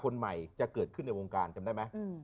คนใหม่จะเกิดขึ้นในวงการจำได้ไหม